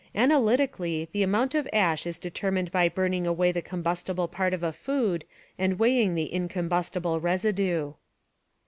Analytically, the amount of ash is determined by burning away the combustible part of a food and weighing the incombustible residue.